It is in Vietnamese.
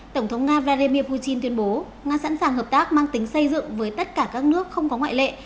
tổng thống nga vladimir putin tuyên bố nga sẵn sàng hợp tác mang tính xây dựng với tất cả các nước không có ngoại lệ